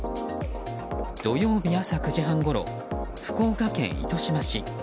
土曜日朝９時半ごろ福岡県糸島市。